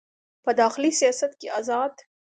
په داخلي سیاست کې ازاد